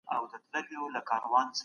د دې دورې لومړۍ پېړۍ تورې پېړۍ بلل کيږي.